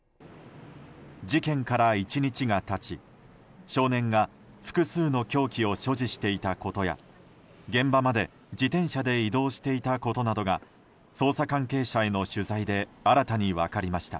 事件から１日が経ち、少年が複数の凶器を所持していたことや現場まで自転車で移動していたことなどが捜査関係者への取材で新たに分かりました。